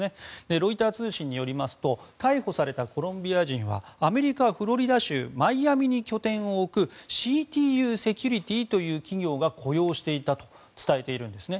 ロイター通信によりますと逮捕されたコロンビア人はアメリカ・フロリダ州マイアミに拠点を置くＣＴＵセキュリティーという企業が雇用していたと伝えているんですね。